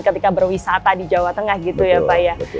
ketika berwisata di jawa tengah gitu ya pak ya